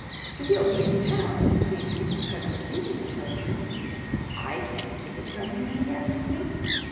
'But he'll be in town between six and seven this evening,' replied Newman. 'I can't keep it from him when he asks me.